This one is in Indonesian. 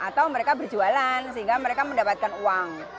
atau mereka berjualan sehingga mereka mendapatkan uang